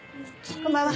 こんばんは。